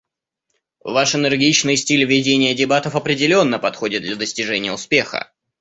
Ваш энергичный стиль ведения дебатов определенно подходит для достижения успеха.